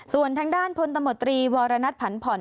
ส่วนทางด้านพลตำรวจตรีวรณัฐผันผ่อน